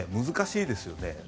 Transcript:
難しいですよね。